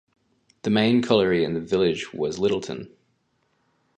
The main colliery in the village was Littleton.